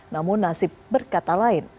namun nasib berkata lain